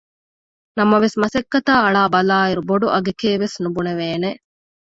ނަމަވެސް މަސައްކަތާ އަޅާބަލާއިރު ބޮޑު އަގެކޭ ވެސް ނުބުނެވޭނެ